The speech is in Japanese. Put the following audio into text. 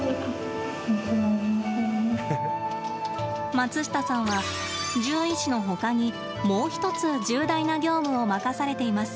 松下さんは、獣医師のほかにもう１つ重大な業務を任されています。